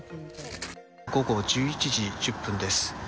午後１１時１０分です。